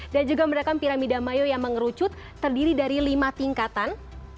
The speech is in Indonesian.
dan juga merupakan piramida mayo yang mengerucut terdiri dari lima tingkatan